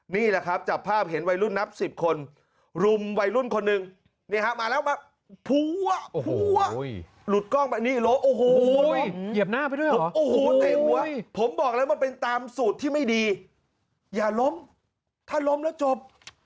นี่แหละครับจับภาพเห็นวัยรุ่นนับ